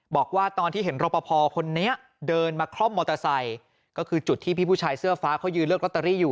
บอกว่าตอนที่เห็นรอปภคนนี้เดินมาคล่อมมอเตอร์ไซค์ก็คือจุดที่พี่ผู้ชายเสื้อฟ้าเขายืนเลือกลอตเตอรี่อยู่